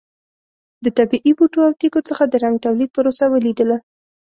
د طبیعي بوټو او تېږو څخه د رنګ تولید پروسه ولیدله.